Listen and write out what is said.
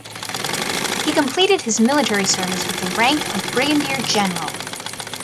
He completed his military service with the rank of Brigadier General.